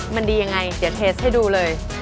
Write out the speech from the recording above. มันดียังไงเดี๋ยวเทสให้ดูเลย